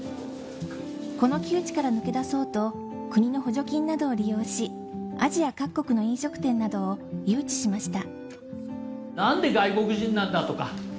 この窮地から抜け出そうと国の補助金などを利用し、アジア各国の飲食店などを誘致しました。